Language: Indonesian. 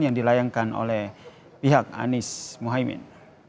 yang dilayangkan oleh pihak anies mohaimin